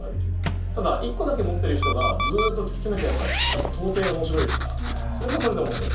ただ一個だけ持ってる人がずっと突き詰めたやつはやっぱ到底面白いからそれもそれで面白い。